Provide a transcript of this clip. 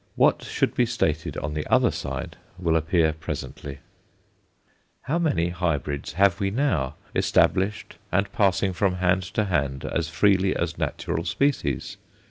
What should be stated on the other side will appear presently. How many hybrids have we now, established, and passing from hand to hand as freely as natural species?